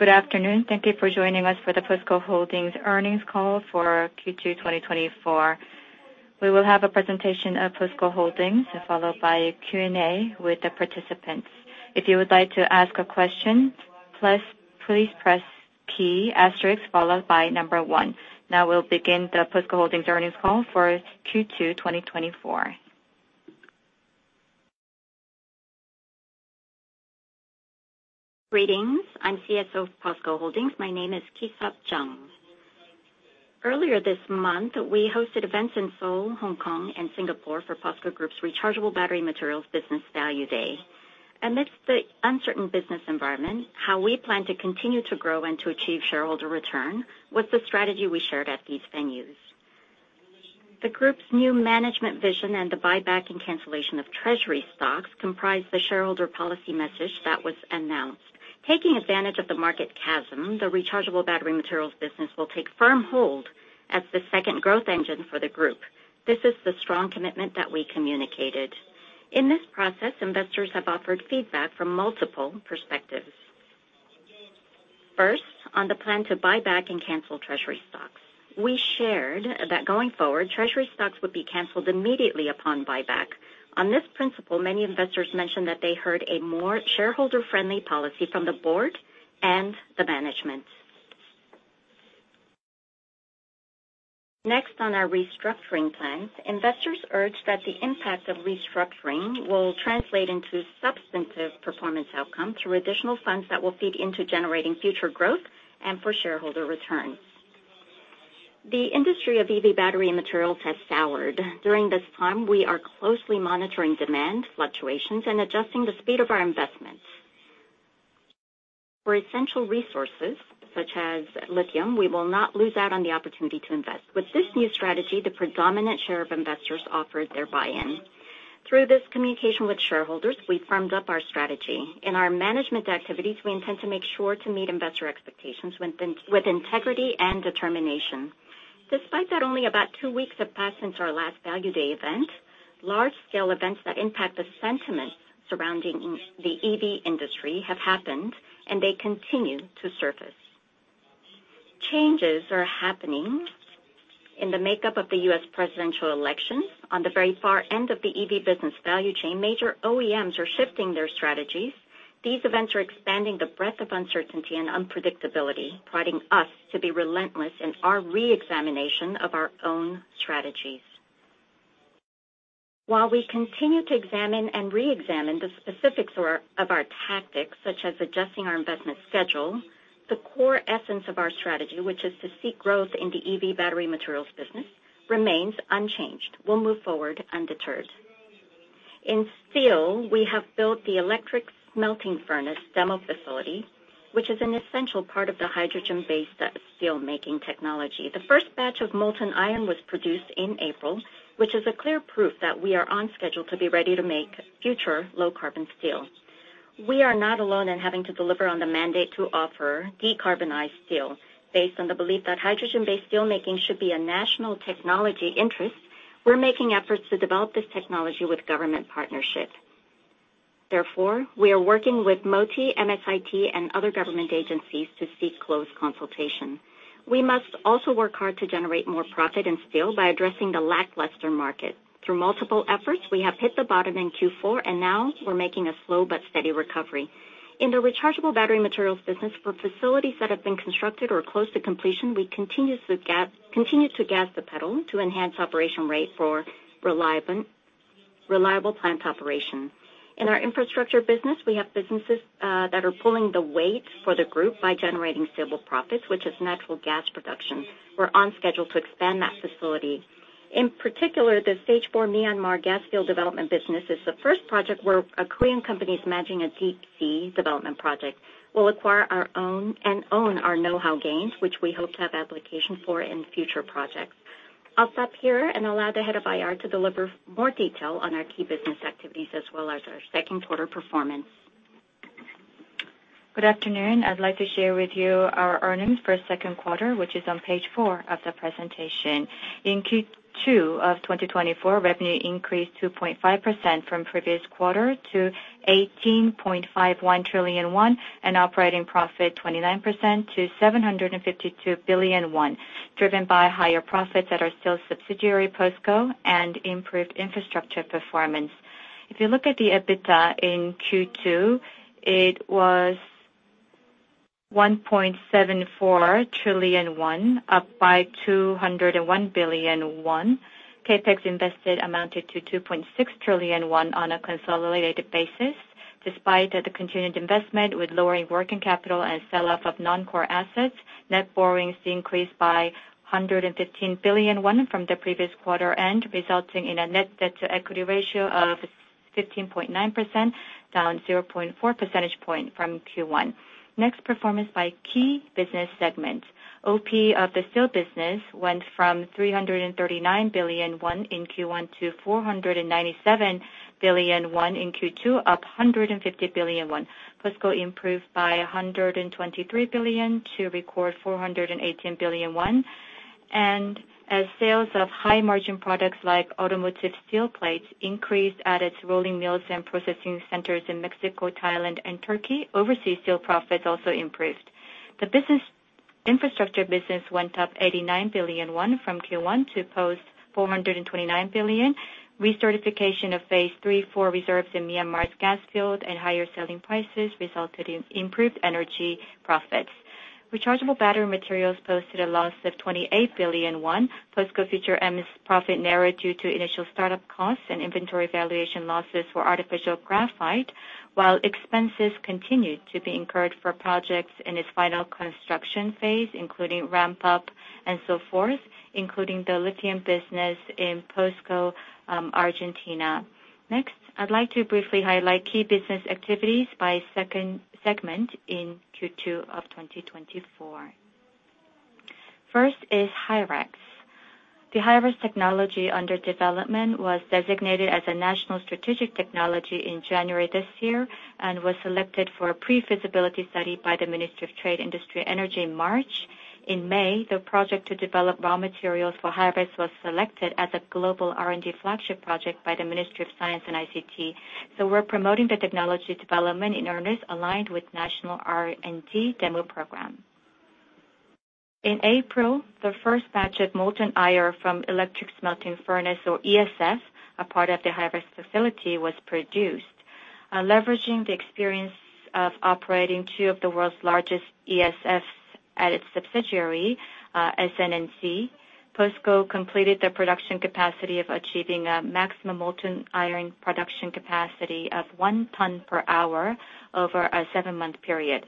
Good afternoon. Thank you for joining us for the POSCO Holdings Earnings Call for Q2 2024. We will have a presentation of POSCO Holdings, followed by a Q&A with the participants. If you would like to ask a question, please, please press star, followed by number one. Now we'll begin the POSCO Holdings earnings call for Q2 2024. Greetings. I'm CSO of POSCO Holdings. My name is Ki-seop Jeong. Earlier this month, we hosted events in Seoul, Hong Kong, and Singapore for POSCO Group's Rechargeable Battery Materials Business Value Day. Amidst the uncertain business environment, how we plan to continue to grow and to achieve shareholder return was the strategy we shared at these venues. The group's new management vision and the buyback and cancellation of treasury stocks comprise the shareholder policy message that was announced. Taking advantage of the market chasm, the rechargeable battery materials business will take firm hold as the second growth engine for the group. This is the strong commitment that we communicated. In this process, investors have offered feedback from multiple perspectives. First, on the plan to buy back and cancel treasury stocks. We shared that going forward, treasury stocks would be canceled immediately upon buyback. On this principle, many investors mentioned that they heard a more shareholder-friendly policy from the board and the management. Next, on our restructuring plans, investors urged that the impact of restructuring will translate into substantive performance outcome through additional funds that will feed into generating future growth and for shareholder return. The industry of EV battery materials has soured. During this time, we are closely monitoring demand fluctuations and adjusting the speed of our investments. For essential resources, such as lithium, we will not lose out on the opportunity to invest. With this new strategy, the predominant share of investors offered their buy-in. Through this communication with shareholders, we firmed up our strategy. In our management activities, we intend to make sure to meet investor expectations with integrity and determination. Despite that only about two weeks have passed since our last Value Day event, large-scale events that impact the sentiment surrounding the EV industry have happened, and they continue to surface. Changes are happening in the makeup of the U.S. presidential elections. On the very far end of the EV business value chain, major OEMs are shifting their strategies. These events are expanding the breadth of uncertainty and unpredictability, prodding us to be relentless in our re-examination of our own strategies. While we continue to examine and re-examine the specifics of our of our tactics, such as adjusting our investment schedule, the core essence of our strategy, which is to seek growth in the EV battery materials business, remains unchanged. We'll move forward undeterred. In steel, we have built the electric smelting furnace demo facility, which is an essential part of the hydrogen-based steelmaking technology. The first batch of molten iron was produced in April, which is a clear proof that we are on schedule to be ready to make future low-carbon steel. We are not alone in having to deliver on the mandate to offer decarbonized steel. Based on the belief that hydrogen-based steelmaking should be a national technology interest, we're making efforts to develop this technology with government partnership. Therefore, we are working with MOTIE, MSIT, and other government agencies to seek close consultation. We must also work hard to generate more profit in steel by addressing the lackluster market. Through multiple efforts, we have hit the bottom in Q4, and now we're making a slow but steady recovery. In the rechargeable battery materials business, for facilities that have been constructed or close to completion, we continuously continue to gas the pedal to enhance operation rate for reliable plant operation. In our infrastructure business, we have businesses that are pulling the weight for the group by generating stable profits, which is natural gas production. We're on schedule to expand that facility. In particular, the Stage IV Myanmar gas field development business is the first project where a Korean company is managing a deep sea development project. We'll acquire our own, and own our know-how gains, which we hope to have application for in future projects. I'll stop here and allow the Head of IR to deliver more detail on our key business activities, as well as our second quarter performance. Good afternoon. I'd like to share with you our earnings for second quarter, which is on page four of the presentation. In Q2 of 2024, revenue increased 2.5% from previous quarter to 18.51 trillion won, and operating profit, 29% to 752 billion won, driven by higher profits at our steel subsidiary, POSCO, and improved infrastructure performance. If you look at the EBITDA in Q2, it was 1.74 trillion, up by 201 billion. CapEx invested amounted to 2.6 trillion on a consolidated basis. Despite the continued investment with lowering working capital and sell-off of non-core assets, net borrowings increased by 115 billion won from the previous quarter end, resulting in a net debt to equity ratio of 15.9%, down 0.4 percentage point from Q1. Next, performance by key business segment. OP of the steel business went from 339 billion won in Q1 to 497 billion won in Q2, up 150 billion won. POSCO improved by KRW 123 billion to record 418 billion won, and as sales of high margin products like automotive steel plates increased at its rolling mills and processing centers in Mexico, Thailand and Turkey, overseas steel profits also improved. The business, infrastructure business went up 89 billion won from Q1 to post 429 billion. Recertification of Phase III, four reserves in Myanmar's gas field and higher selling prices resulted in improved energy profits. Rechargeable battery materials posted a loss of 28 billion won. POSCO Future M's profit narrowed due to initial startup costs and inventory valuation losses for artificial graphite, while expenses continued to be incurred for projects in its final construction phase, including ramp up and so forth, including the lithium business in POSCO Argentina. Next, I'd like to briefly highlight key business activities by second segment in Q2 of 2024. First is HyREX. The HyREX technology under development was designated as a national strategic technology in January this year, and was selected for a pre-feasibility study by the Ministry of Trade, Industry and Energy in March. In May, the project to develop raw materials for HyREX was selected as a global R&D flagship project by the Ministry of Science and ICT. So we're promoting the technology development in earnest, aligned with national R&D demo program. In April, the first batch of molten iron from electric smelting furnace or ESF, a part of the HyREX facility, was produced. Leveraging the experience of operating two of the world's largest ESFs at its subsidiary, SNNC, POSCO completed the production capacity of achieving a maximum molten iron production capacity of 1 ton per hour over a seven-month period.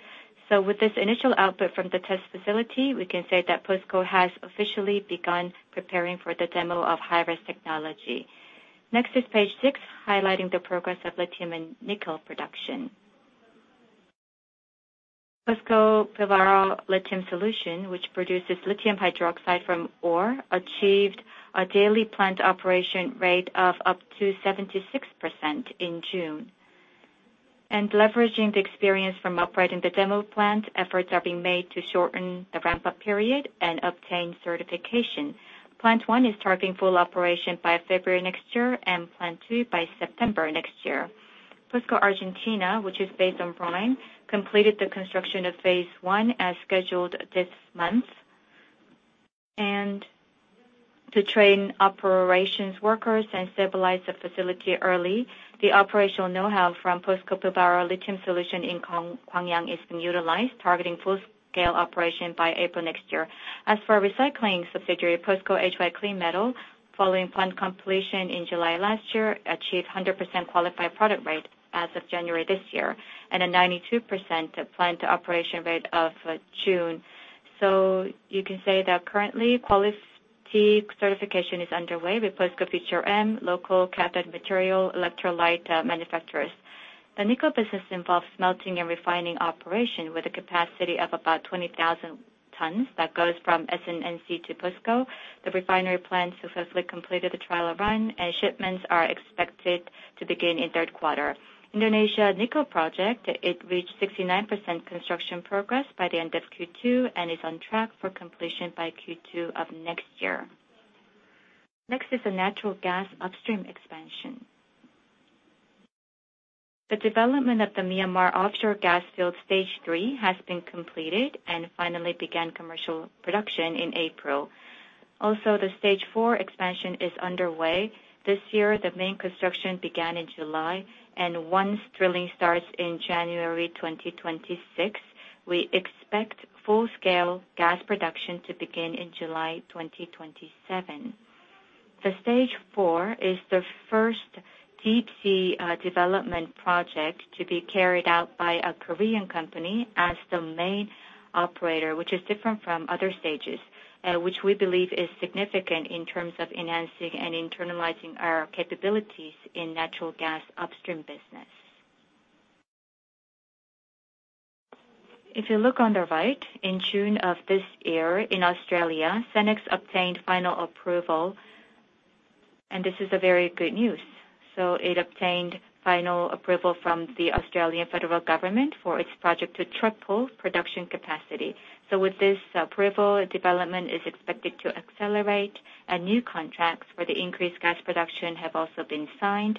So with this initial output from the test facility, we can say that POSCO has officially begun preparing for the demo of HyREX technology. Next is page six, highlighting the progress of lithium and nickel production. POSCO Pilbara Lithium Solution, which produces lithium hydroxide from ore, achieved a daily plant operation rate of up to 76% in June. Leveraging the experience from operating the demo plant, efforts are being made to shorten the ramp-up period and obtain certification. Plant one is targeting full operation by February next year and plant two by September next year. POSCO Argentina, which is based on brine, completed the construction of phase one as scheduled this month. And to train operations workers and stabilize the facility early, the operational know-how from POSCO Pilbara Lithium Solution in Gwangyang is being utilized, targeting full-scale operation by April next year. As for our recycling subsidiary, POSCO HY Clean Metal, following plant completion in July last year, achieved 100% qualified product rate as of January this year, and a 92% plant operation rate of June. You can say that currently, quality certification is underway with POSCO Future M, local cathode material electrolyte manufacturers. The nickel business involves smelting and refining operation with a capacity of about 20,000 tons that goes from SNNC to POSCO. The refinery plant successfully completed the trial run, and shipments are expected to begin in third quarter. Indonesia nickel project, it reached 69% construction progress by the end of Q2 and is on track for completion by Q2 of next year. Next is the natural gas upstream expansion. The development of the Myanmar offshore gas field, stage three, has been completed and finally began commercial production in April. Also, the stage four expansion is underway. This year, the main construction began in July, and once drilling starts in January 2026, we expect full-scale gas production to begin in July 2027. The stage four is the first deep sea development project to be carried out by a Korean company as the main operator, which is different from other stages, which we believe is significant in terms of enhancing and internalizing our capabilities in natural gas upstream business. If you look on the right, in June of this year, in Australia, Senex obtained final approval, and this is a very good news. So it obtained final approval from the Australian Federal Government for its project to triple production capacity. So with this approval, development is expected to accelerate, and new contracts for the increased gas production have also been signed.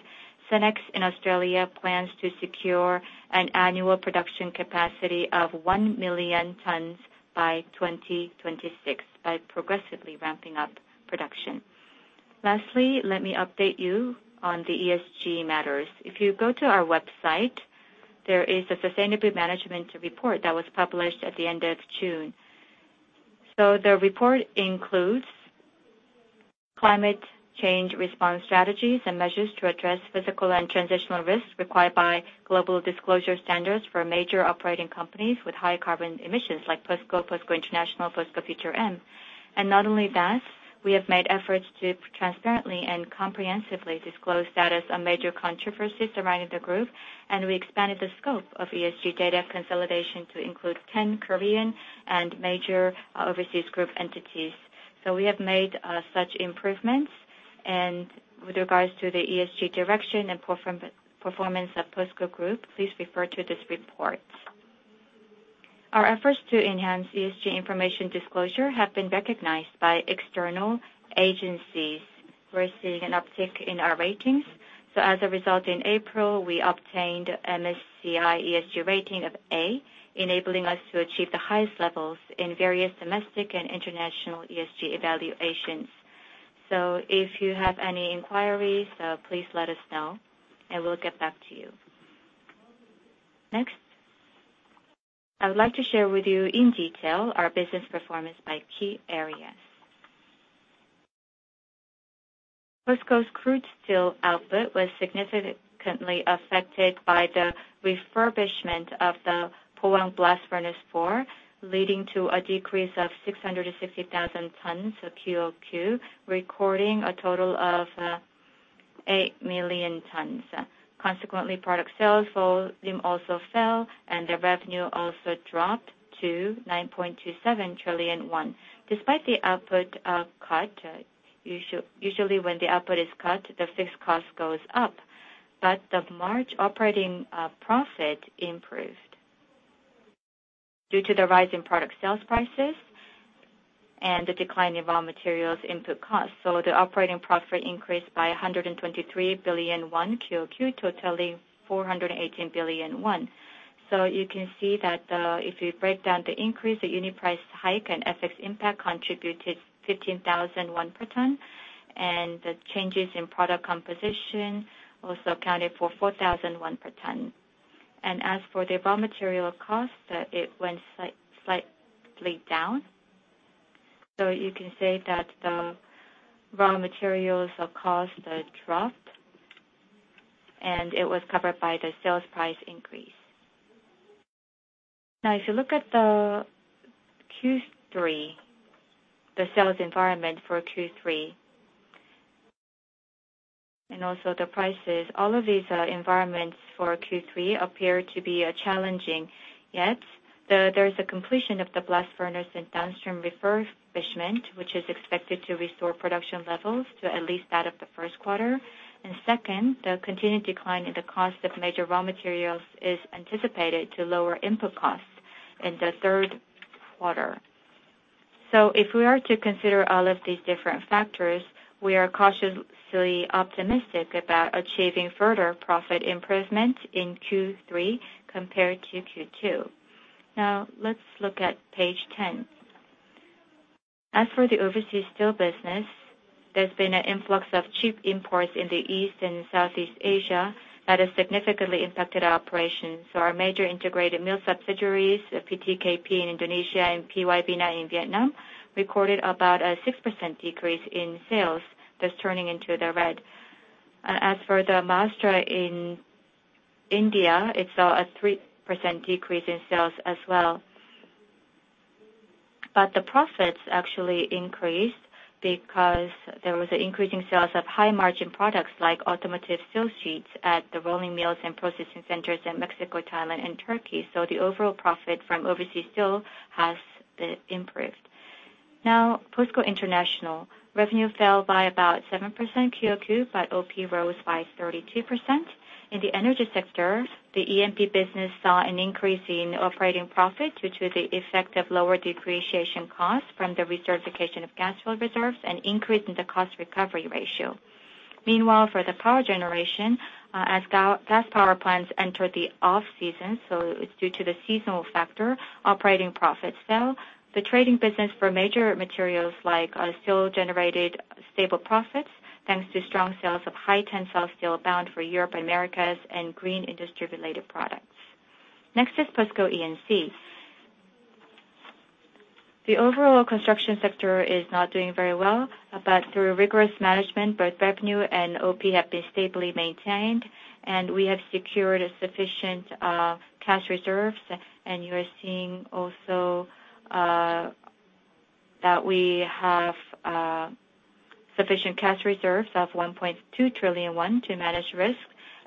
Senex in Australia plans to secure an annual production capacity of 1 million tons by 2026 by progressively ramping up production. Lastly, let me update you on the ESG matters. If you go to our website, there is a sustainable management report that was published at the end of June. So the report includes climate change response strategies and measures to address physical and transitional risks required by global disclosure standards for major operating companies with high carbon emissions, like POSCO, POSCO International, POSCO Future M. And not only that, we have made efforts to transparently and comprehensively disclose status on major controversies surrounding the group, and we expanded the scope of ESG data consolidation to include ten Korean and major overseas group entities. So we have made such improvements. And with regards to the ESG direction and performance of POSCO Group, please refer to this report. Our efforts to enhance ESG information disclosure have been recognized by external agencies. We're seeing an uptick in our ratings. As a result, in April, we obtained MSCI ESG rating of A, enabling us to achieve the highest levels in various domestic and international ESG evaluations. If you have any inquiries, please let us know, and we'll get back to you. Next, I would like to share with you in detail our business performance by key areas. POSCO's crude steel output was significantly affected by the refurbishment of the Pohang blast furnace four, leading to a decrease of 660,000 tons QoQ, recording a total of 8 million tons. Consequently, product sales volume also fell, and the revenue also dropped to 9.27 trillion won. Despite the output cut, usually, when the output is cut, the fixed cost goes up, but the March operating profit improved due to the rise in product sales prices and the decline in raw materials input costs. The operating profit increased by 123 billion won QoQ, totaling 418 billion won. You can see that, if you break down the increase, the unit price hike and FX impact contributed 15,000 won per ton, and the changes in product composition also accounted for 4,000 won per ton. As for the raw material cost, it went slightly down. You can say that the raw materials cost dropped, and it was covered by the sales price increase. Now, if you look at the Q3, the sales environment for Q3, and also the prices, all of these environments for Q3 appear to be challenging. Yet, there's a completion of the blast furnace and downstream refurbishment, which is expected to restore production levels to at least that of the first quarter. And second, the continued decline in the cost of major raw materials is anticipated to lower input costs in the third quarter. So if we are to consider all of these different factors, we are cautiously optimistic about achieving further profit improvement in Q3 compared to Q2. Now, let's look at page ten. As for the overseas steel business, there's been an influx of cheap imports in the East and Southeast Asia that has significantly impacted our operations. So our major integrated mill subsidiaries, PTKP in Indonesia and PY VINA in Vietnam, recorded about a 6% decrease in sales, thus turning into the red. As for the Maharashtra in India, it saw a 3% decrease in sales as well. The profits actually increased because there was an increase in sales of high-margin products like automotive steel sheets at the rolling mills and processing centers in Mexico, Thailand and Turkey. The overall profit from overseas steel has improved. Now, POSCO International. Revenue fell by about 7% QoQ, but OP rose by 32%. In the energy sector, the E&P business saw an increase in operating profit due to the effect of lower depreciation costs from the recertification of gas field reserves and increase in the cost recovery ratio. Meanwhile, for the power generation, as gas power plants entered the off-season, so it's due to the seasonal factor, operating profits fell. The trading business for major materials like steel generated stable profits, thanks to strong sales of high-tensile steel bound for Europe and Americas and green industry-related products. Next is POSCO E&C. The overall construction sector is not doing very well, but through rigorous management, both revenue and OP have been stably maintained, and we have secured a sufficient cash reserves. You are seeing also that we have sufficient cash reserves of 1.2 trillion won to manage risk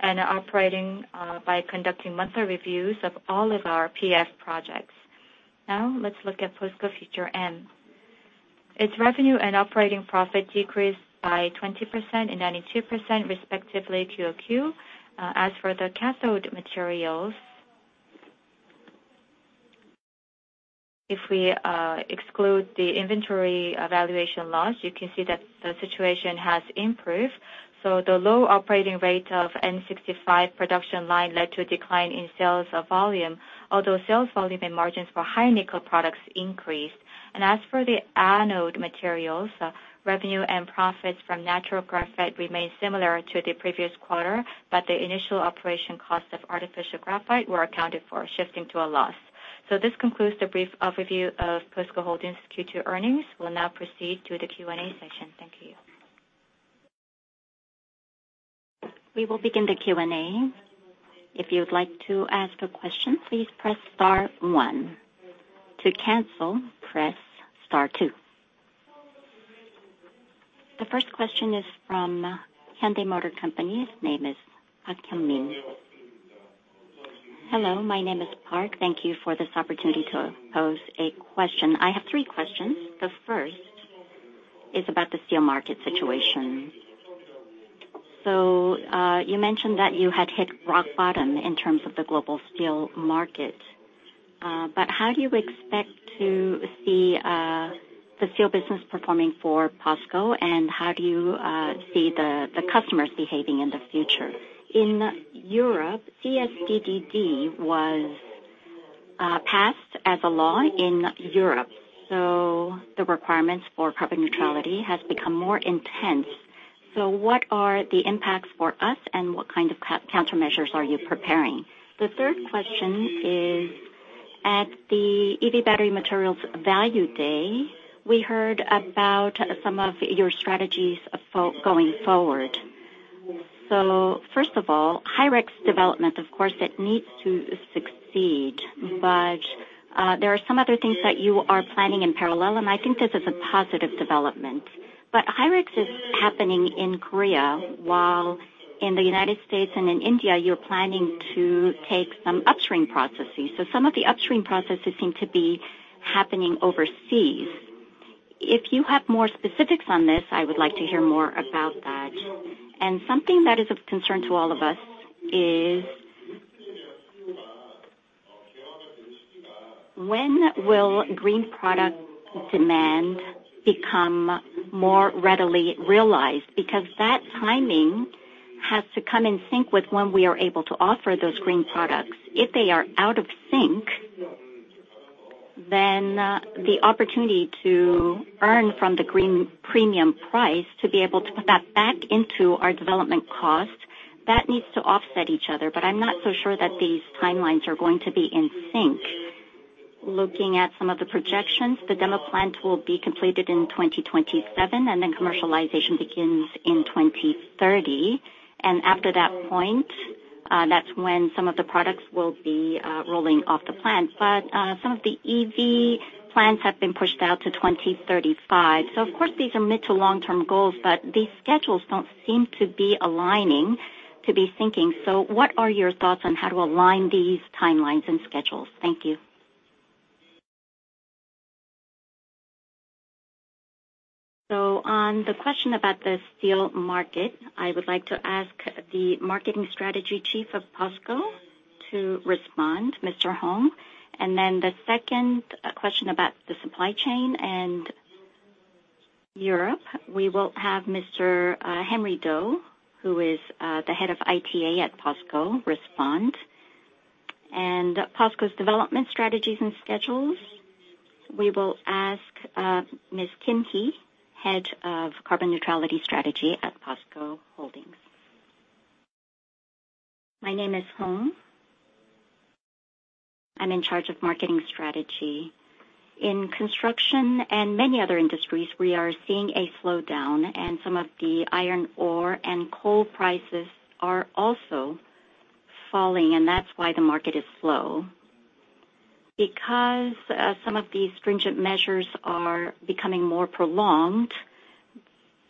and are operating by conducting monthly reviews of all of our PF projects. Now, let's look at POSCO Future M. Its revenue and operating profit decreased by 20% and 92% respectively, QoQ. As for the cathode materials, if we exclude the inventory valuation loss, you can see that the situation has improved. So the low operating rate of N65 production line led to a decline in sales volume, although sales volume and margins for high nickel products increased. And as for the anode materials, revenue and profits from natural graphite remained similar to the previous quarter, but the initial operation costs of artificial graphite were accounted for, shifting to a loss. So this concludes the brief overview of POSCO Holdings' Q2 earnings. We'll now proceed to the Q&A session. Thank you. We will begin the Q&A. If you would like to ask a question, please press star one. To cancel, press star two. The first question is from Hyundai Motor Company. His name is Park Kyung-min. Hello, my name is Park. Thank you for this opportunity to pose a question. I have three questions. The first is about the steel market situation. So, you mentioned that you had hit rock bottom in terms of the global steel market, but how do you expect to see the steel business performing for POSCO, and how do you see the customers behaving in the future? In Europe, CSDDD was passed as a law in Europe, so the requirements for carbon neutrality has become more intense. So what are the impacts for us, and what kind of countermeasures are you preparing? The third question is, at the EV Battery Materials Value Day, we heard about some of your strategies of going forward. So first of all, HyREX development, of course, it needs to succeed, but there are some other things that you are planning in parallel, and I think this is a positive development. But HyREX is happening in Korea, while in the United States and in India, you're planning to take some upstream processes, so some of the upstream processes seem to be happening overseas. If you have more specifics on this, I would like to hear more about that. And something that is of concern to all of us is, when will green product demand become more readily realized? Because that timing has to come in sync with when we are able to offer those green products. If they are out of sync, then, the opportunity to earn from the green premium price, to be able to put that back into our development costs, that needs to offset each other, but I'm not so sure that these timelines are going to be in sync. Looking at some of the projections, the demo plant will be completed in 2027, and then commercialization begins in 2030, and after that point, that's when some of the products will be, rolling off the plant. But, some of the EV plans have been pushed out to 2035. So of course, these are mid to long-term goals, but these schedules don't seem to be aligning, to be syncing. So what are your thoughts on how to align these timelines and schedules? Thank you. So on the question about the steel market, I would like to ask the Marketing Strategy Chief of POSCO to respond, Mr. Hong. And then the second question about the supply chain and Europe, we will have Mr. Henry Do, who is, the Head of ITA at POSCO, respond. POSCO's development strategies and schedules, we will ask Ms. Kim Hee, Head of Carbon Neutrality Strategy at POSCO Holdings. My name is Hong. I'm in charge of marketing strategy. In construction and many other industries, we are seeing a slowdown, and some of the iron ore and coal prices are also falling, and that's why the market is slow. Because some of these stringent measures are becoming more prolonged,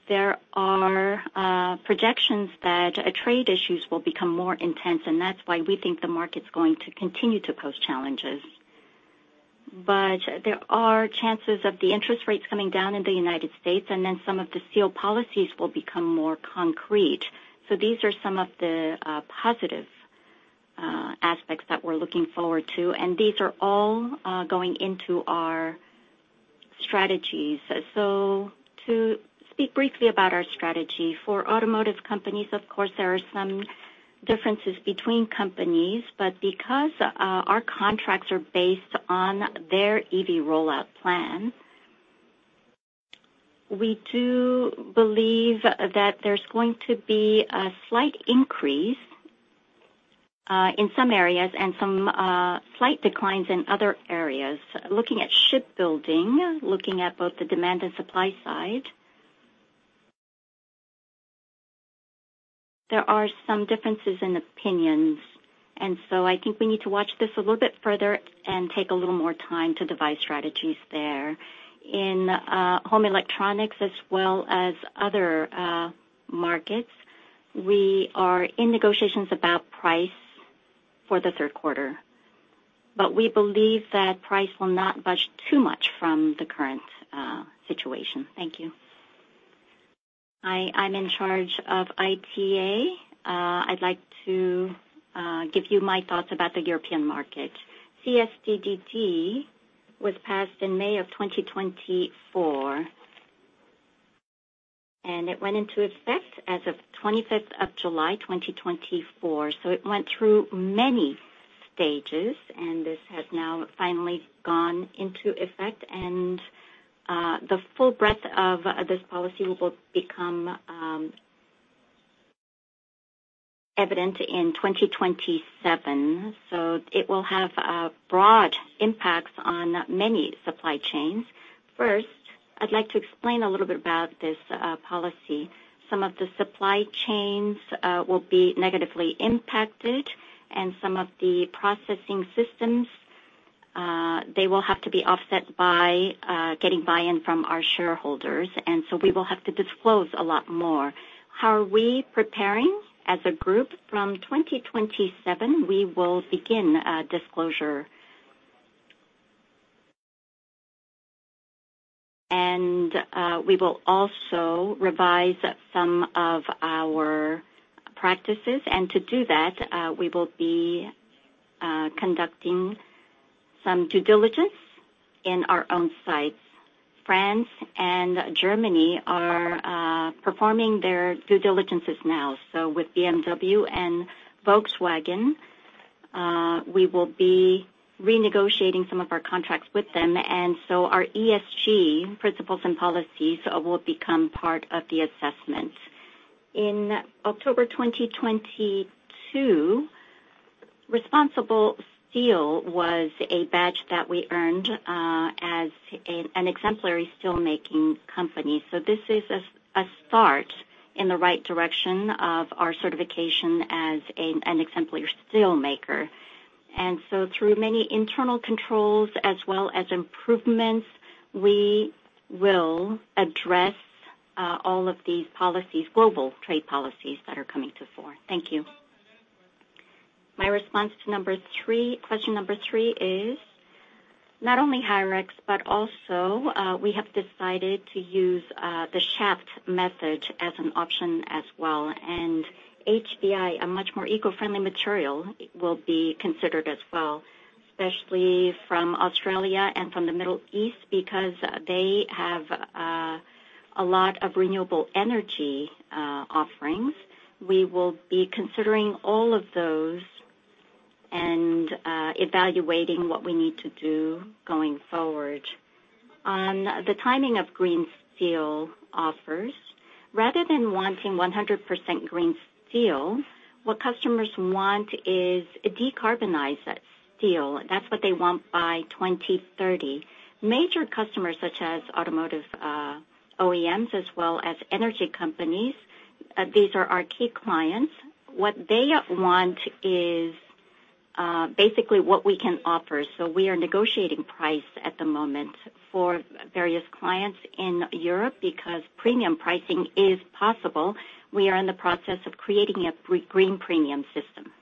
there are projections that trade issues will become more intense, and that's why we think the market's going to continue to pose challenges. But there are chances of the interest rates coming down in the United States, and then some of the steel policies will become more concrete. So these are some of the positive aspects that we're looking forward to, and these are all going into our strategies. So to speak briefly about our strategy, for automotive companies, of course, there are some differences between companies, but because our contracts are based on their EV rollout plan, we do believe that there's going to be a slight increase in some areas and some slight declines in other areas. Looking at shipbuilding, looking at both the demand and supply side, there are some differences in opinions, and so I think we need to watch this a little bit further and take a little more time to devise strategies there. In home electronics as well as other markets, we are in negotiations about price for the third quarter, but we believe that price will not budge too much from the current situation. Thank you. Hi, I'm in charge of ITA. I'd like to give you my thoughts about the European market. CSDDD was passed in May of 2024, and it went into effect as of 25th of July, 2024. So it went through many stages, and this has now finally gone into effect. And the full breadth of this policy will become evident in 2027, so it will have broad impacts on many supply chains. First, I'd like to explain a little bit about this policy. Some of the supply chains will be negatively impacted, and some of the processing systems they will have to be offset by getting buy-in from our shareholders, and so we will have to disclose a lot more. How are we preparing as a group? From 2027, we will begin disclosure and we will also revise some of our practices. To do that, we will be conducting some due diligence in our own sites. France and Germany are performing their due diligences now. So with BMW and Volkswagen, we will be renegotiating some of our contracts with them, and so our ESG principles and policies will become part of the assessment. In October 2022, ResponsibleSteel was a badge that we earned, as an exemplary steelmaking company. So this is a start in the right direction of our certification as an exemplary steelmaker. And so through many internal controls as well as improvements, we will address all of these policies, global trade policies, that are coming to the fore. Thank you. My response to number three, question number three is, not only HyREX, but also, we have decided to use, the shaft method as an option as well. HBI, a much more eco-friendly material, will be considered as well, especially from Australia and from the Middle East, because they have, a lot of renewable energy, offerings. We will be considering all of those and, evaluating what we need to do going forward. On the timing of green steel offers, rather than wanting 100% green steel, what customers want is a decarbonized steel, that's what they want by 2030. Major customers such as automotive, OEMs, as well as energy companies, these are our key clients. What they want is, basically what we can offer, so we are negotiating price at the moment for various clients in Europe, because premium pricing is possible. We are in the process of creating a green premium system.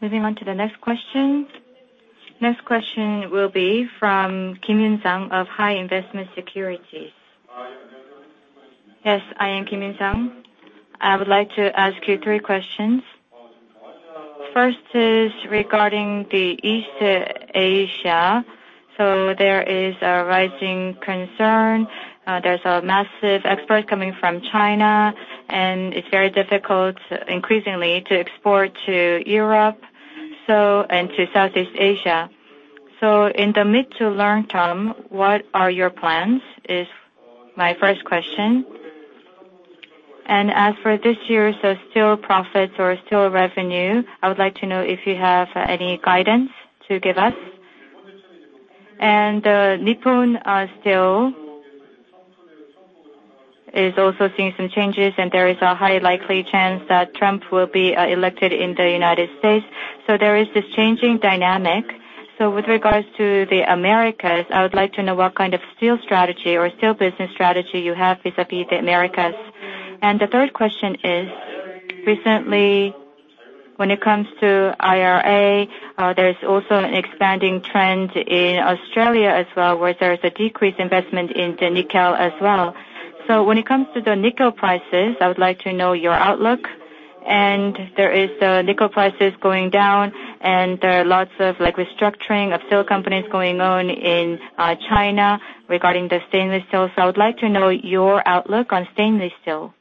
Moving on to the next question. Next question will be from Kim Yoon-sang of Hi Investment Securities. Yes, I am Kim Yoon-sang. I would like to ask you three questions. First is regarding East Asia. So there is a rising concern, there's a massive export coming from China, and it's very difficult, increasingly, to export to Europe, so, and to Southeast Asia. So in the mid to long term, what are your plans, is my first question. And as for this year's steel profits or steel revenue, I would like to know if you have any guidance to give us. And, Nippon Steel is also seeing some changes, and there is a high likely chance that Trump will be elected in the United States. So there is this changing dynamic. So with regards to the Americas, I would like to know what kind of steel strategy or steel business strategy you have vis-a-vis the Americas. And the third question is, recently, when it comes to IRA, there's also an expanding trend in Australia as well, where there's a decreased investment in the nickel as well. So when it comes to the nickel prices, I would like to know your outlook. And there is the nickel prices going down, and there are lots of, like, restructuring of steel companies going on in China regarding the stainless steel. So I would like to know your outlook on stainless steel.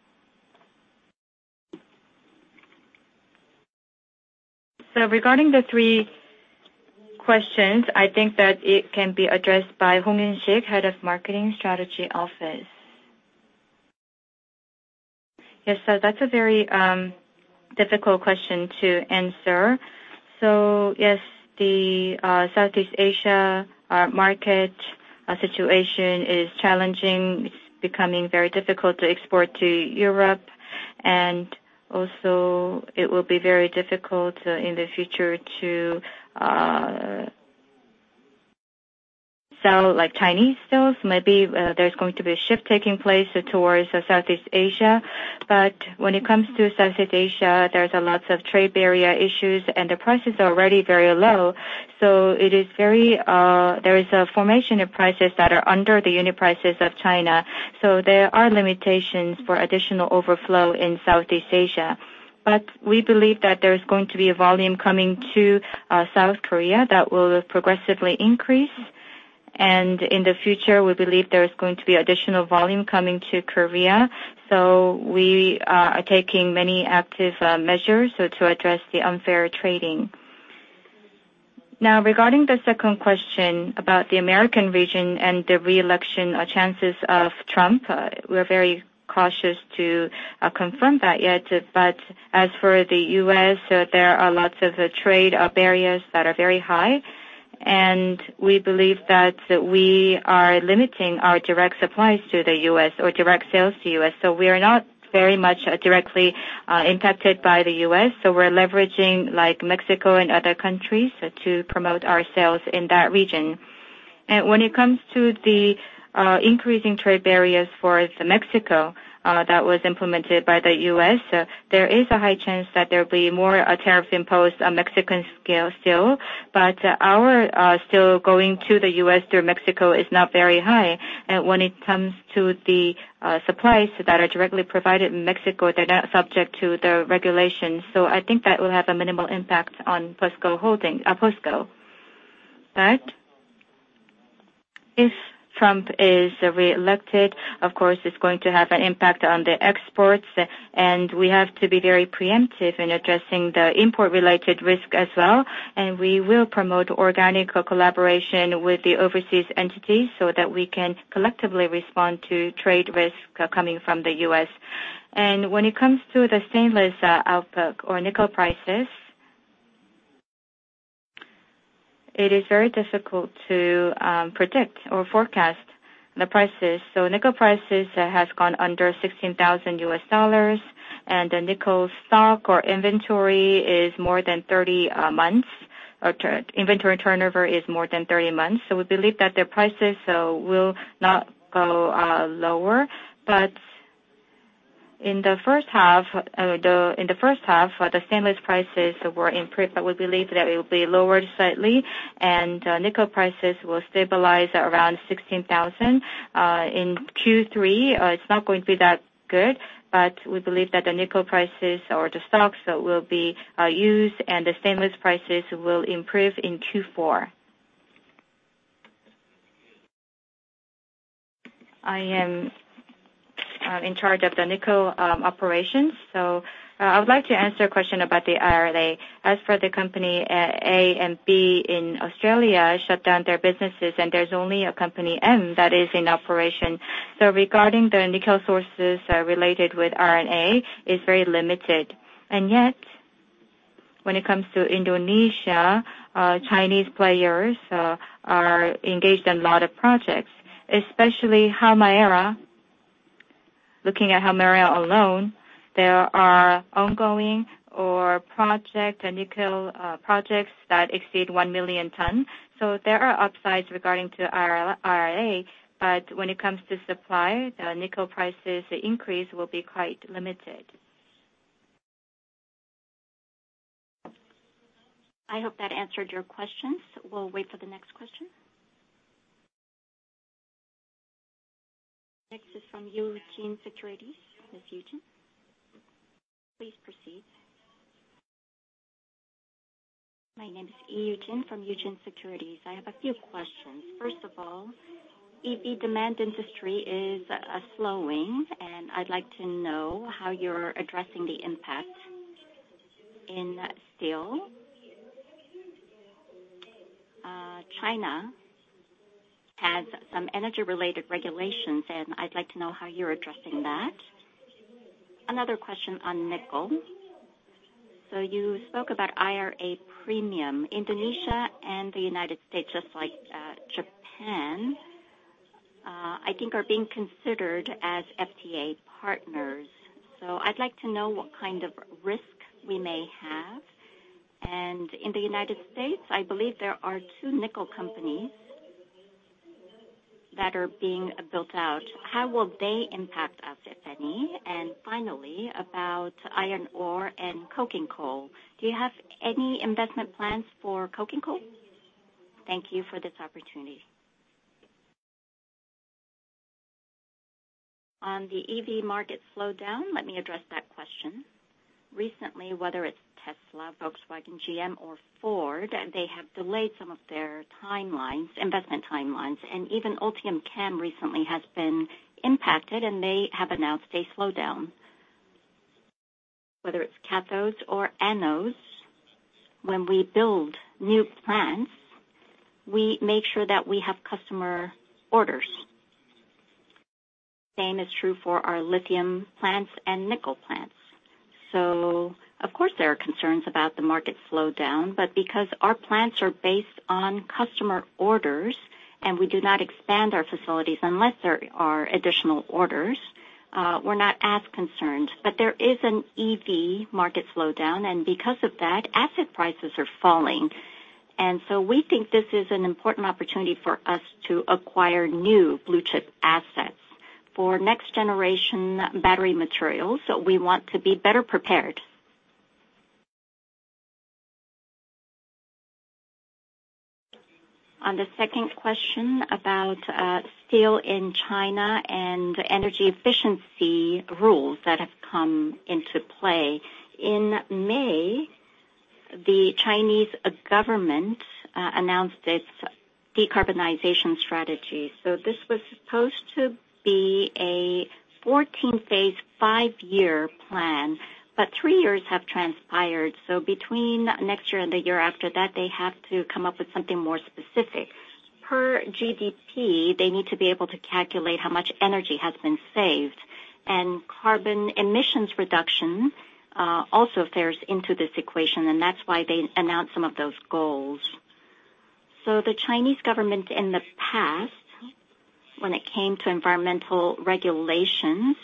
So regarding the three questions, I think that it can be addressed by Hong Yoon-sik, Head of Marketing Strategy Office. Yes, so that's a very difficult question to answer. So yes, the Southeast Asia market situation is challenging. It's becoming very difficult to export to Europe, and also it will be very difficult in the future to sell, like, Chinese steels. Maybe there's going to be a shift taking place towards Southeast Asia. But when it comes to Southeast Asia, there's lots of trade barrier issues, and the prices are already very low. So it is very. There is a formation of prices that are under the unit prices of China, so there are limitations for additional overflow in Southeast Asia. But we believe that there's going to be a volume coming to South Korea that will progressively increase. And in the future, we believe there is going to be additional volume coming to Korea. So we are taking many active measures, so to address the unfair trading. Now, regarding the second question about the American region and the re-election chances of Trump, we're very cautious to confirm that yet. But as for the U.S., there are lots of trade barriers that are very high, and we believe that we are limiting our direct supplies to the U.S. or direct sales to U.S. So we are not very much directly impacted by the U.S., so we're leveraging, like, Mexico and other countries to promote our sales in that region. And when it comes to the increasing trade barriers for Mexico that was implemented by the U.S., there is a high chance that there will be more tariffs imposed on Mexican steel still. But our steel going to the U.S. through Mexico is not very high. And when it comes to the supplies that are directly provided in Mexico, they're not subject to the regulations. So I think that will have a minimal impact on POSCO Holdings, POSCO. But if Trump is reelected, of course, it's going to have an impact on the exports, and we have to be very preemptive in addressing the import-related risk as well. And we will promote organic collaboration with the overseas entities so that we can collectively respond to trade risk coming from the U.S. When it comes to the stainless output or nickel prices, it is very difficult to predict or forecast the prices. Nickel prices has gone under $16,000, and the nickel stock or inventory is more than 30 months. Inventory turnover is more than 30 months. We believe that the prices will not go lower. But in the first half, the stainless prices were improved, but we believe that it will be lowered slightly, and nickel prices will stabilize at around $16,000. In Q3, it's not going to be that good, but we believe that the nickel prices or the stocks will be used, and the stainless prices will improve in Q4. I am in charge of the nickel operations, so I would like to answer a question about the IRA. As for the company, A and B in Australia shut down their businesses, and there's only a company, M, that is in operation. So regarding the nickel sources related with IRA, is very limited. And yet, when it comes to Indonesia, Chinese players are engaged in a lot of projects, especially Halmahera. Looking at Halmahera alone, there are ongoing or project, nickel projects that exceed 1 million tons. So there are upsides regarding to IRA, but when it comes to supply, the nickel prices increase will be quite limited. I hope that answered your questions. We'll wait for the next question. Next is from Eugene Securities. Ms. Yoo Jin, please proceed. My name is Lee Yoo Jin from Eugene Securities. I have a few questions. First of all, EV demand industry is slowing, and I'd like to know how you're addressing the impact in steel. China has some energy-related regulations, and I'd like to know how you're addressing that. Another question on nickel. So you spoke about IRA premium. Indonesia and the United States, just like, Japan, I think are being considered as FTA partners. So I'd like to know what kind of risk we may have. And in the United States, I believe there are two nickel companies that are being built out. How will they impact us, if any? And finally, about iron ore and coking coal. Do you have any investment plans for coking coal? Thank you for this opportunity. On the EV market slowdown, let me address that question. Recently, whether it's Tesla, Volkswagen, GM or Ford, they have delayed some of their timelines, investment timelines, and even Ultium CAM recently has been impacted, and they have announced a slowdown. Whether it's cathodes or anodes, when we build new plants, we make sure that we have customer orders. Same is true for our lithium plants and nickel plants. So of course, there are concerns about the market slowdown, but because our plants are based on customer orders, and we do not expand our facilities unless there are additional orders, we're not as concerned. But there is an EV market slowdown, and because of that, asset prices are falling. And so we think this is an important opportunity for us to acquire new blue-chip assets. For next-generation battery materials, so we want to be better prepared. On the second question about steel in China and energy efficiency rules that have come into play, in May, the Chinese government announced its decarbonization strategy. So this was supposed to be a 14-phase, five-year plan, but three years have transpired. So between next year and the year after that, they have to come up with something more specific. Per GDP, they need to be able to calculate how much energy has been saved, and carbon emissions reduction also fares into this equation, and that's why they announced some of those goals. So the Chinese government, in the past, when it came to environmental regulations,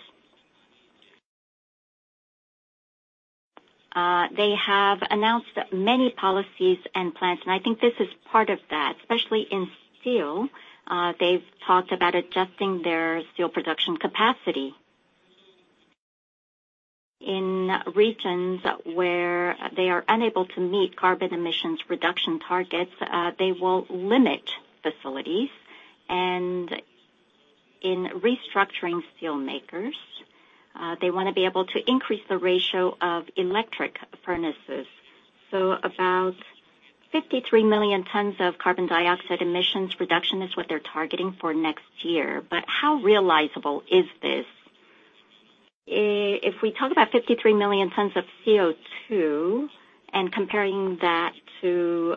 they have announced many policies and plans, and I think this is part of that, especially in steel. They've talked about adjusting their steel production capacity. In regions where they are unable to meet carbon emissions reduction targets, they will limit facilities. And in restructuring steelmakers, they want to be able to increase the ratio of electric furnaces. So about 53 million tons of carbon dioxide emissions reduction is what they're targeting for next year. But how realizable is this? If we talk about 53 million tons of CO2, and comparing that to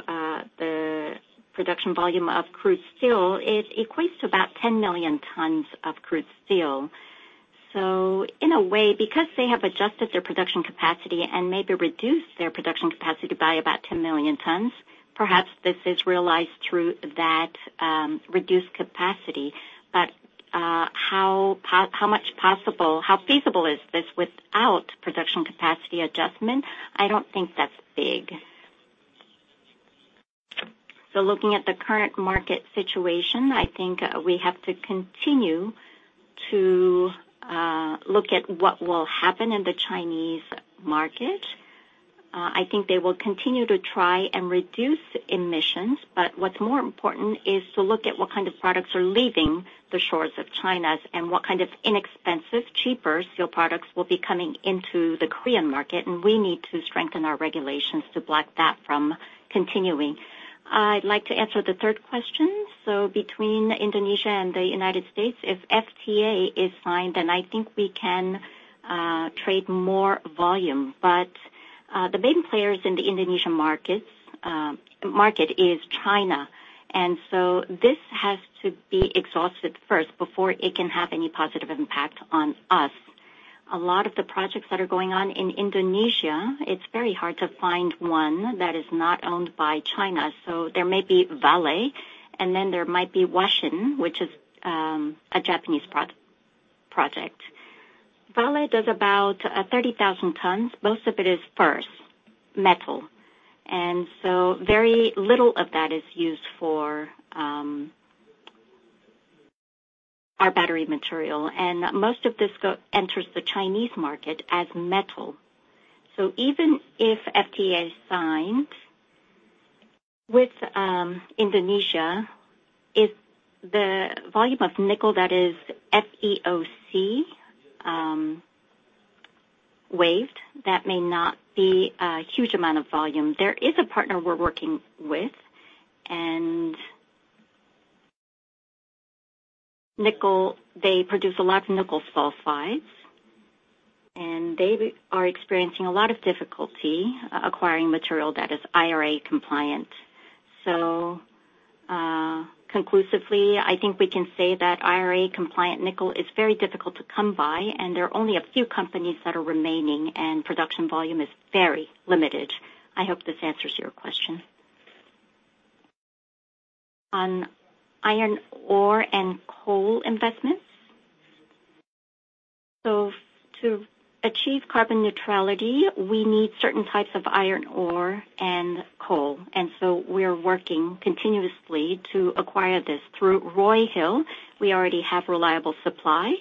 the production volume of crude steel, it equates to about 10 million tons of crude steel. So in a way, because they have adjusted their production capacity and maybe reduced their production capacity by about 10 million tons, perhaps this is realized through that reduced capacity. But how much possible-how feasible is this without production capacity adjustment? I don't think that's big. So looking at the current market situation, I think we have to continue to look at what will happen in the Chinese market. I think they will continue to try and reduce emissions, but what's more important is to look at what kind of products are leaving the shores of China and what kind of inexpensive, cheaper steel products will be coming into the Korean market, and we need to strengthen our regulations to block that from continuing. I'd like to answer the third question. So between Indonesia and the United States, if FTA is signed, then I think we can trade more volume. But the big players in the Indonesian markets, market, is China, and so this has to be exhausted first before it can have any positive impact on us. A lot of the projects that are going on in Indonesia, it's very hard to find one that is not owned by China. So there may be Vale, and then there might be Walsin, which is a Japanese project. Vale does about 30,000 tons. Most of it is first metal, and so very little of that is used for our battery material, and most of this goes enters the Chinese market as metal. So even if FTA is signed with Indonesia, if the volume of nickel, that is, FEOC, waived, that may not be a huge amount of volume. There is a partner we're working with, and nickel, they produce a lot of nickel sulfides, and they are experiencing a lot of difficulty acquiring material that is IRA compliant. So, conclusively, I think we can say that IRA compliant nickel is very difficult to come by, and there are only a few companies that are remaining, and production volume is very limited. I hope this answers your question. On iron ore and coal investments, so to achieve carbon neutrality, we need certain types of iron ore and coal, and so we are working continuously to acquire this. Through Roy Hill, we already have reliable supply,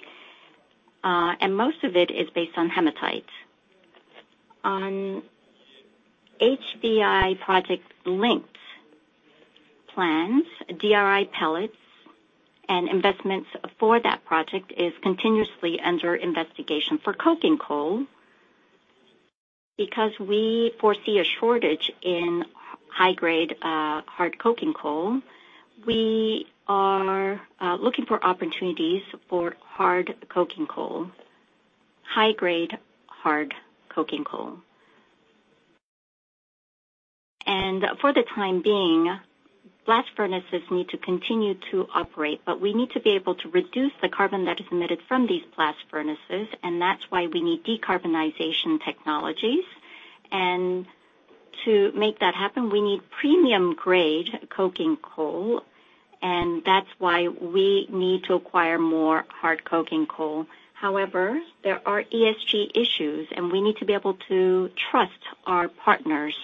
and most of it is based on hematite. On HBI project linked plans, DRI pellets and investments for that project is continuously under investigation. For coking coal, because we foresee a shortage in high grade, hard coking coal, we are looking for opportunities for hard coking coal, high grade hard coking coal. For the time being, blast furnaces need to continue to operate, but we need to be able to reduce the carbon that is emitted from these blast furnaces, and that's why we need decarbonization technologies. To make that happen, we need premium grade coking coal, and that's why we need to acquire more hard coking coal. However, there are ESG issues, and we need to be able to trust our partners.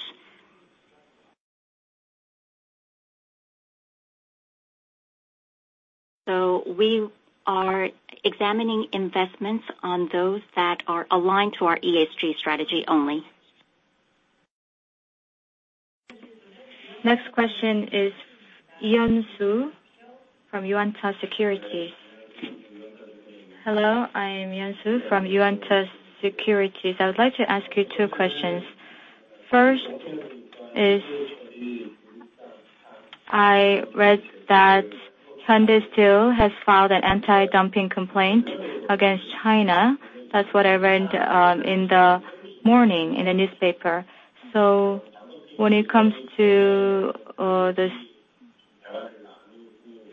We are examining investments on those that are aligned to our ESG strategy only. Next question is Lee Hyun-soo from Yuanta Securities. Hello, I am Lee Hyun-soo from Yuanta Securities. I would like to ask you two questions. First is, I read that Hyundai Steel has filed an anti-dumping complaint against China. That's what I read in the morning in the newspaper. So when it comes to this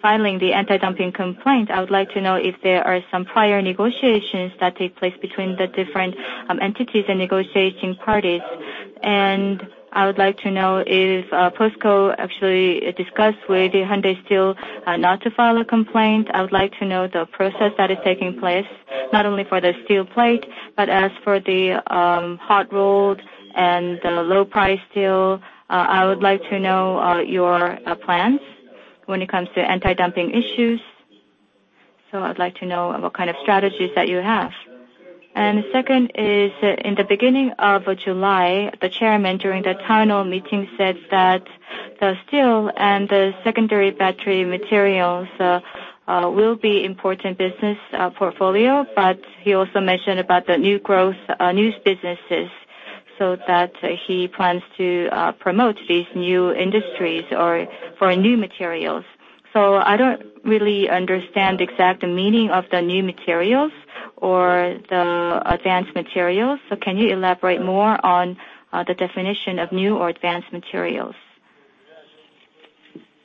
filing the anti-dumping complaint, I would like to know if there are some prior negotiations that take place between the different entities and negotiating parties. I would like to know, is POSCO actually discussed with the Hyundai Steel not to file a complaint? I would like to know the process that is taking place, not only for the steel plate, but as for the hot rolled and the low price steel. I would like to know your plans when it comes to anti-dumping issues. So I'd like to know what kind of strategies that you have. Second is, in the beginning of July, the chairman, during the town hall meeting, said that the steel and the secondary battery materials will be important business portfolio, but he also mentioned about the new growth new businesses, so that he plans to promote these new industries or for new materials. I don't really understand exactly the meaning of the new materials or the advanced materials. Can you elaborate more on the definition of new or advanced materials?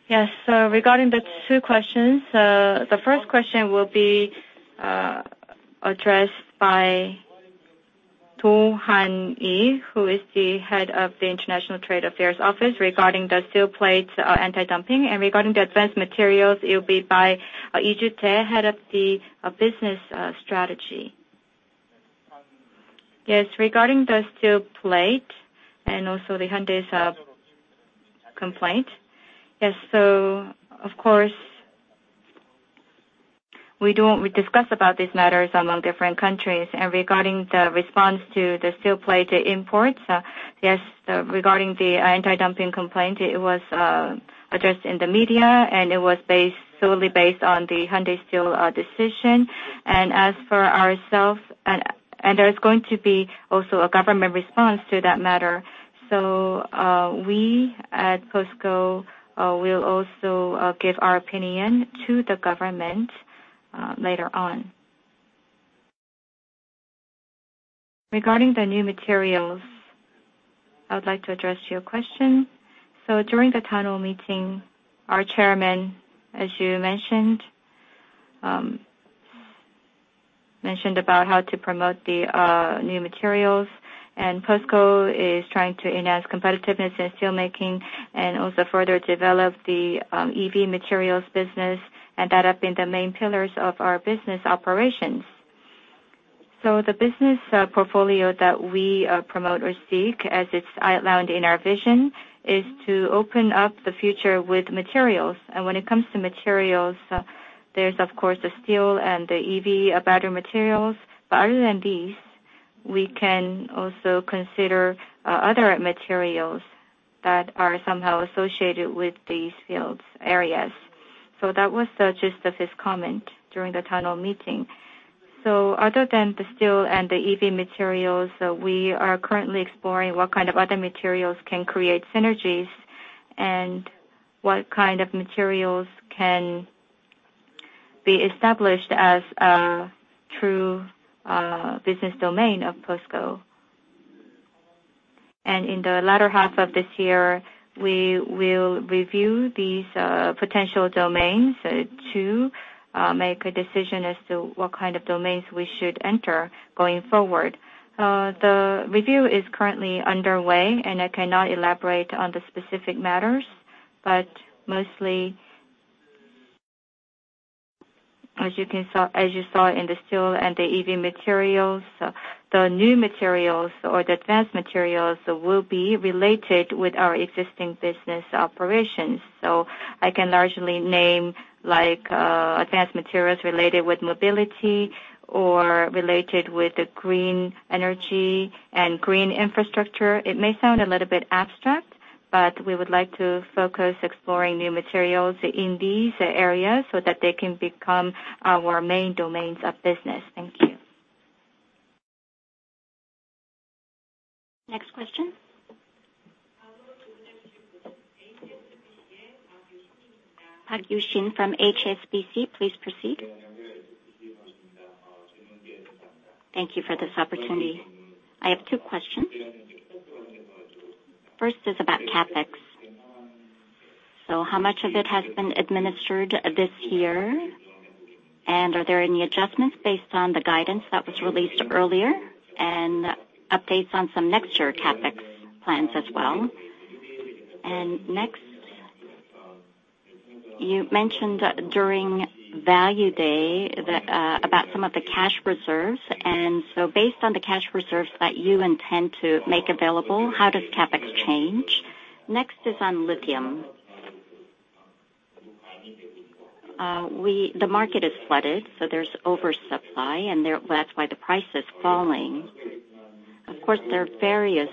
Yes, so regarding the two questions, the first question will be addressed by Do Han-yi, who is the Head of the International Trade Affairs Office, regarding the steel plates anti-dumping. Regarding the advanced materials, it will be by Lee Ju-tae, Head of the Business Strategy. Yes, regarding the steel plate and also the Hyundai Steel complaint. Yes, so of course, we don't discuss about these matters among different countries. Regarding the response to the steel plate imports, yes, regarding the anti-dumping complaint, it was addressed in the media, and it was based, solely based on the Hyundai Steel decision. As for ourselves, and there's going to be also a government response to that matter. So, we at POSCO will also give our opinion to the government later on. Regarding the new materials, I would like to address your question. So during the town hall meeting, our chairman, as you mentioned, mentioned about how to promote the new materials, and POSCO is trying to enhance competitiveness in steelmaking and also further develop the EV materials business, and that have been the main pillars of our business operations. So the business portfolio that we promote or seek, as it's outlined in our vision, is to open up the future with materials. And when it comes to materials, there's of course the steel and the EV battery materials. But other than these, we can also consider other materials that are somehow associated with these fields areas. So that was the gist of his comment during the town hall meeting. So other than the steel and the EV materials, we are currently exploring what kind of other materials can create synergies, and what kind of materials can be established as a true business domain of POSCO. In the latter half of this year, we will review these potential domains to make a decision as to what kind of domains we should enter going forward. The review is currently underway, and I cannot elaborate on the specific matters, but mostly, as you saw in the steel and the EV materials, the new materials or the advanced materials will be related with our existing business operations. So I can largely name, like, advanced materials related with mobility or related with the green energy and green infrastructure. It may sound a little bit abstract, but we would like to focus exploring new materials in these areas so that they can become our main domains of business. Thank you. Next question? Park Yu Shin from HSBC, please proceed. Thank you for this opportunity. I have two questions. First is about CapEx. So how much of it has been administered this year? And are there any adjustments based on the guidance that was released earlier, and updates on some next year CapEx plans as well? And next, you mentioned during Value Day that, about some of the cash reserves, and so based on the cash reserves that you intend to make available, how does CapEx change? Next is on lithium. The market is flooded, so there's oversupply, and there, that's why the price is falling. Of course, there are various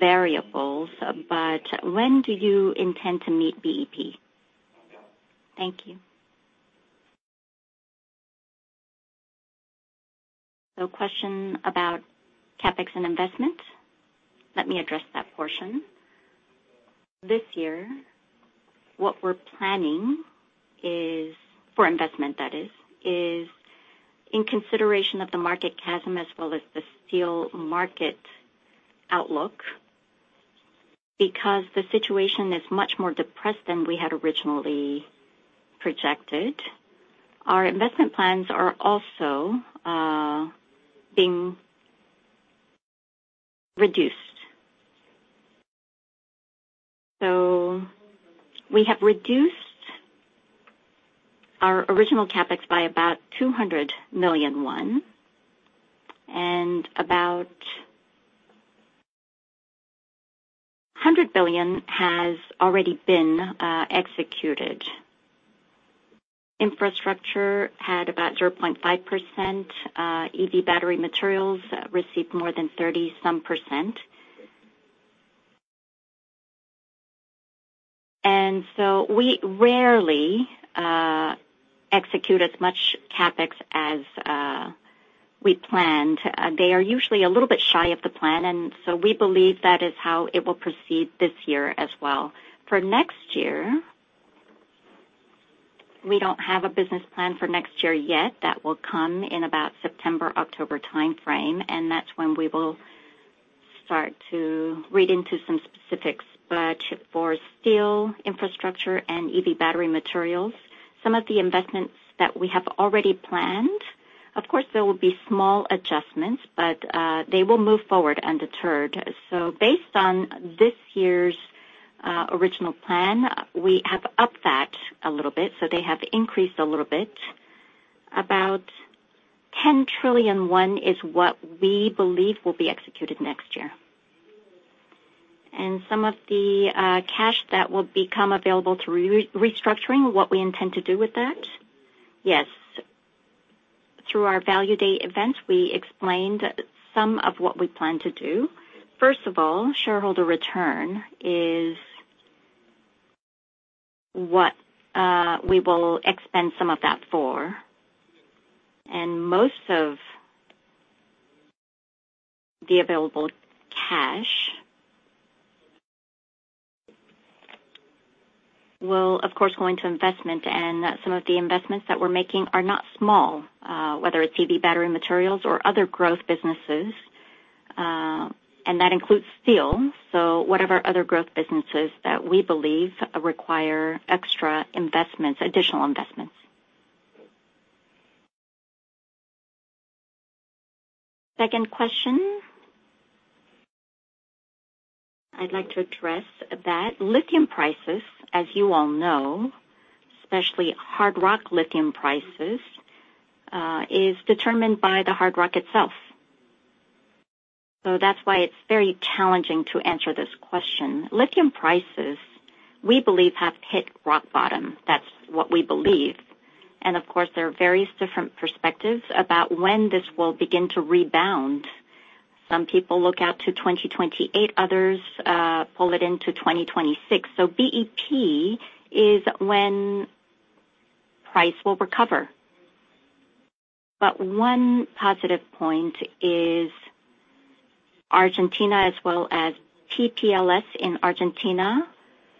variables, but when do you intend to meet BEP? Thank you. So, question about CapEx and investments. Let me address that portion. This year, what we're planning is for investment that is in consideration of the market chasm as well as the steel market outlook, because the situation is much more depressed than we had originally projected. Our investment plans are also being reduced. So we have reduced our original CapEx by about 200 million won, and about 100 billion has already been executed. Infrastructure had about 0.5%, EV battery materials received more than 30-some%. And so we rarely execute as much CapEx as we planned. They are usually a little bit shy of the plan, and so we believe that is how it will proceed this year as well. For next year, we don't have a business plan for next year yet. That will come in about September, October timeframe, and that's when we will start to read into some specifics. But for steel, infrastructure, and EV battery materials, some of the investments that we have already planned, of course, there will be small adjustments, but they will move forward undeterred. So based on this year's original plan, we have upped that a little bit, so they have increased a little bit. About 10 trillion is what we believe will be executed next year. Some of the cash that will become available through restructuring, what we intend to do with that? Yes. Through our Value Day event, we explained some of what we plan to do. First of all, shareholder return is what we will expend some of that for, and most of the available cash will, of course, go into investment, and some of the investments that we're making are not small, whether it's EV battery materials or other growth businesses, and that includes steel, so whatever other growth businesses that we believe require extra investments, additional investments. Second question, I'd like to address that lithium prices, as you all know, especially hard rock lithium prices, is determined by the hard rock itself. So that's why it's very challenging to answer this question. Lithium prices, we believe, have hit rock bottom. That's what we believe. And of course, there are various different perspectives about when this will begin to rebound. Some people look out to 2028, others, pull it into 2026. So BEP is when price will recover. But one positive point is Argentina as well as PPLS in Argentina,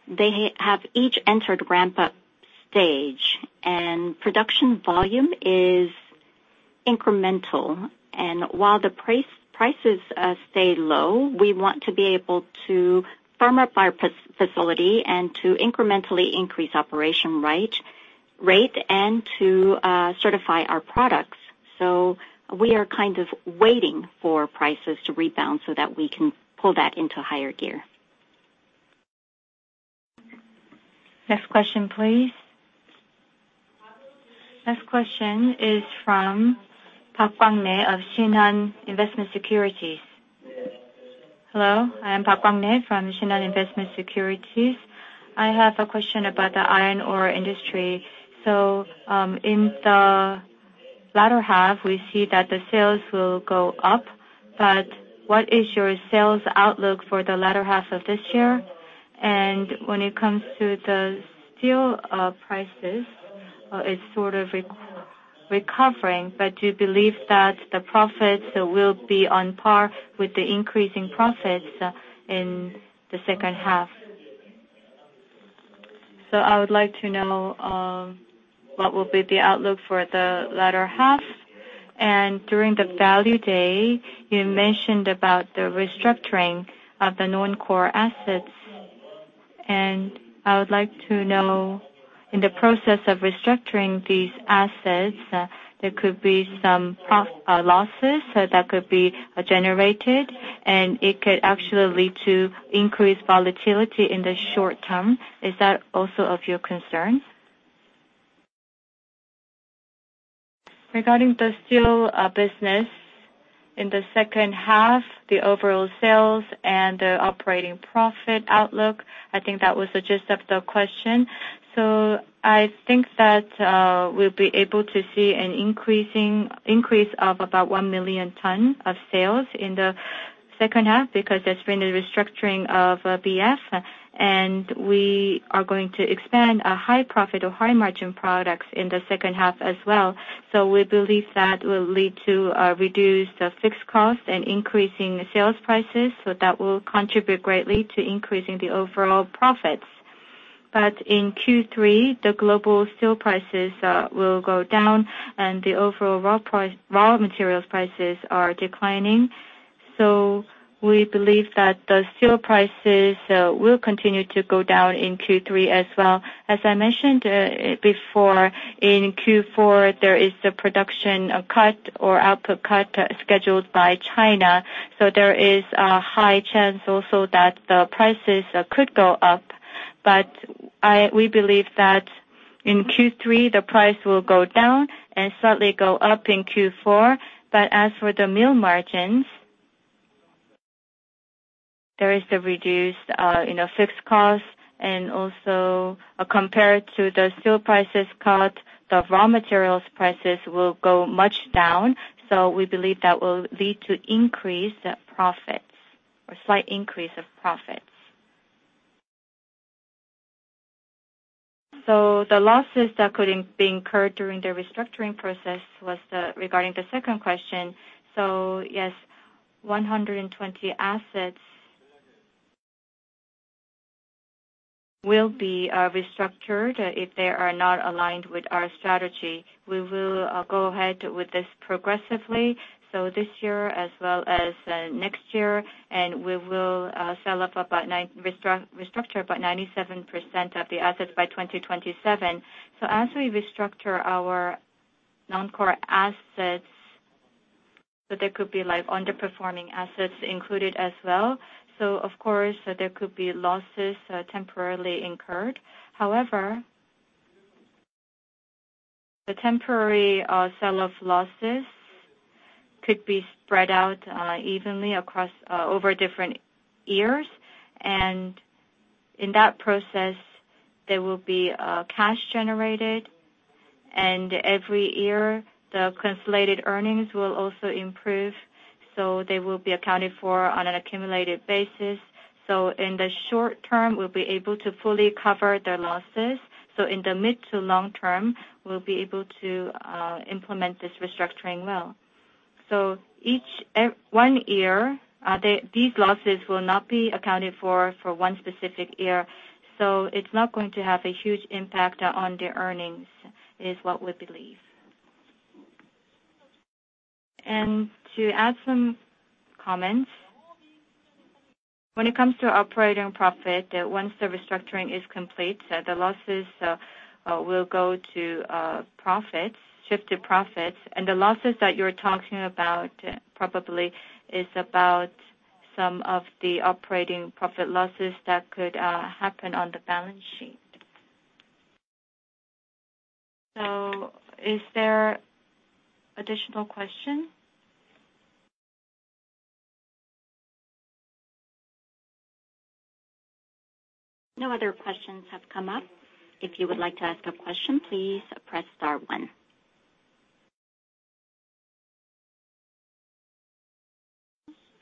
they have each entered ramp-up stage, and production volume is incremental. And while the price, prices, stay low, we want to be able to firm up our facility and to incrementally increase operation rate and to, certify our products. We are kind of waiting for prices to rebound so that we can pull that into higher gear. Next question, please. Next question is from Park Kwang-rae of Shinhan Investment Securities. Hello, I am Park Kwang-rae from Shinhan Investment Securities. I have a question about the iron ore industry. So, in the latter half, we see that the sales will go up, but what is your sales outlook for the latter half of this year? And when it comes to the steel prices, it's sort of recovering, but do you believe that the profits will be on par with the increasing profits in the second half? So I would like to know what will be the outlook for the latter half. During the Value Day, you mentioned about the restructuring of the non-core assets, and I would like to know, in the process of restructuring these assets, there could be some losses, so that could be generated, and it could actually lead to increased volatility in the short term. Is that also of your concern? Regarding the steel business, in the second half, the overall sales and the operating profit outlook, I think that was the gist of the question. So I think that we'll be able to see an increase of about 1 million tons of sales in the second half because there's been a restructuring of BF, and we are going to expand high profit or high margin products in the second half as well. So we believe that will lead to a reduced fixed cost and increasing sales prices, so that will contribute greatly to increasing the overall profits. But in Q3, the global steel prices will go down, and the overall raw materials prices are declining. So we believe that the steel prices will continue to go down in Q3 as well. As I mentioned before, in Q4, there is the production cut or output cut scheduled by China, so there is a high chance also that the prices could go up. But we believe that in Q3, the price will go down and slightly go up in Q4. But as for the mill margins, there is the reduced, you know, fixed costs, and also, compared to the steel prices cut, the raw materials prices will go much down. So we believe that will lead to increased profits or slight increase of profits. So the losses that could be incurred during the restructuring process was the, regarding the second question. So yes, 120 assets will be restructured if they are not aligned with our strategy. We will go ahead with this progressively, so this year as well as next year, and we will sell off about 97% of the assets by 2027. So as we restructure our non-core assets, so there could be, like, underperforming assets included as well. So of course, there could be losses temporarily incurred. However, the temporary sell-off losses could be spread out evenly across over different years. And in that process, there will be cash generated, and every year, the consolidated earnings will also improve, so they will be accounted for on an accumulated basis. So in the short term, we'll be able to fully cover their losses. So in the mid to long term, we'll be able to implement this restructuring well. So each one year these losses will not be accounted for for one specific year, so it's not going to have a huge impact on the earnings, is what we believe. And to add some comments, when it comes to operating profit, once the restructuring is complete, the losses will go to profits, shift to profits. And the losses that you're talking about probably is about some of the operating profit losses that could happen on the balance sheet. So is there additional question? No other questions have come up. If you would like to ask a question, please press star one.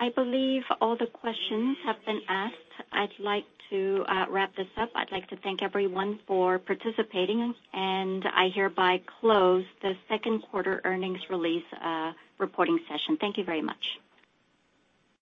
I believe all the questions have been asked. I'd like to wrap this up. I'd like to thank everyone for participating, and I hereby close the second quarter earnings release reporting session. Thank you very much.